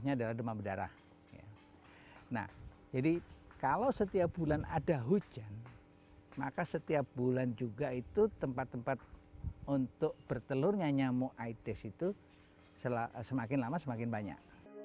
nah jadi kalau setiap bulan ada hujan maka setiap bulan juga itu tempat tempat untuk bertelurnya nyamuk aedes itu semakin lama semakin banyak